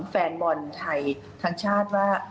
แฟนบอลไทยทั้งชาติว่า